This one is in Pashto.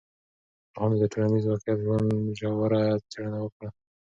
پوهانو د ټولنیز واقعیت ژوره څېړنه وکړه.